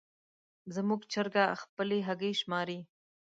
زموږ چرګه خپلې هګۍ شماري.